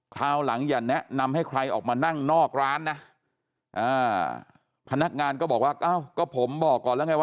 คราวหลังอย่าแนะนำให้ใครออกมานั่งนอกร้านนะพนักงานก็บอกว่าอ้าวก็ผมบอกก่อนแล้วไงว่า